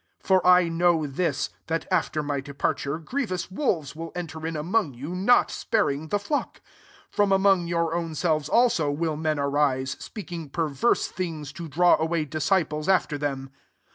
29 {'For] I know [^A/*J, that after my de parture, grievous^ wolves will enter in among you, not spar ing the ftock. 30 From among your own selves also, will men arise, speaking perverse things. to ,^v2i\7 B.w2iy disciples after them.